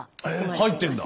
入ってるんだ。